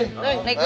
kaden neng ya